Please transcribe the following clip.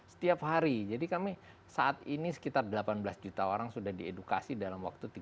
setiap hari jadi kami saat ini sekitar delapan belas juta orang sudah diedukasi dalam waktu tiga puluh